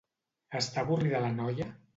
Està avorrida la noia?